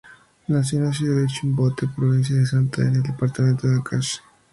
Nació en la ciudad de Chimbote, provincia del Santa en el departamento de Ancash.